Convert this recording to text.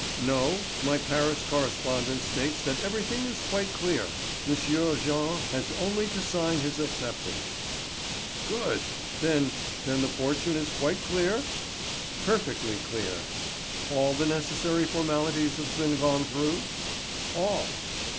"No; my Paris correspondent states that everything is quite clear. M. Jean has only to sign his acceptance." "Good. Then—then the fortune is quite clear?" "Perfectly clear." "All the necessary formalities have been gone through?" "All."